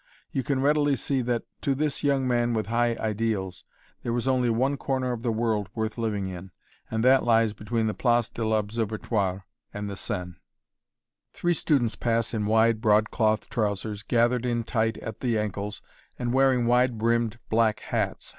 You can readily see that to this young man with high ideals there is only one corner of the world worth living in, and that lies between the Place de l'Observatoire and the Seine. Three students pass, in wide broadcloth trousers, gathered in tight at the ankles, and wearing wide brimmed black hats.